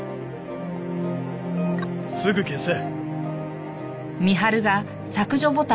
「すぐ消せ」